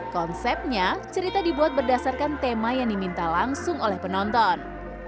konsepnya cerita dibuat berdasarkan tema yang diminta langsung oleh penonton